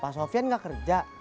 pak sofyan ga kerja